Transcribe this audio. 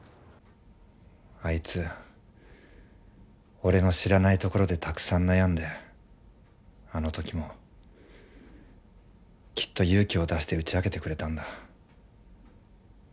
あいつ俺の知らないところでたくさん悩んであの時もきっと勇気を出して打ち明けてくれたんだ。